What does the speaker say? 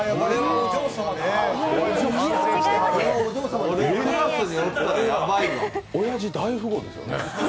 おやじ、大富豪ですよね。